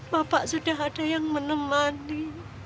bapak sudah ada yang menemani